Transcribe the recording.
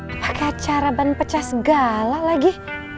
apakah cara ban pecah segala lagi